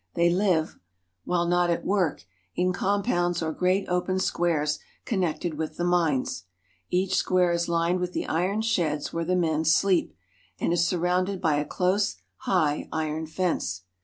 They live, while not at work, in compounds or great open squares connected with the mines. Each square is lined with the iron sheds where the men sleep, and is surrounded by a close, high, iron fence.